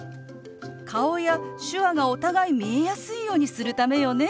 顔や手話がお互い見えやすいようにするためよね。